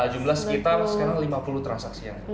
jumlah sekitar sekarang lima puluh transaksi ya